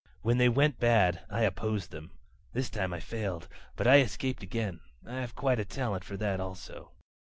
When they went bad, I opposed them. This time I failed. But I escaped again. I have quite a talent for that also.